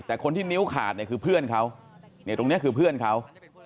แต่คนที่นิ้วขาดเนี่ยคือเพื่อนเขาเนี่ยตรงนี้คือเพื่อนเขา